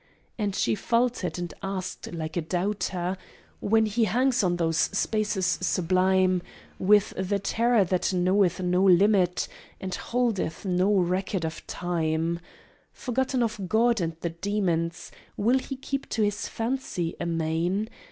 And she faltered, and asked, like a doubter, "When he hangs on those Spaces sublime With the Terror that knoweth no limit, And holdeth no record of Time "Forgotten of God and the demons Will he keep to his fancy amain?